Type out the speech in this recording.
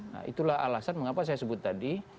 nah itulah alasan mengapa saya sebut tadi